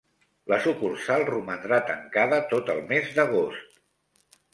La sucursal romandrà tancada tot el mes d'agost.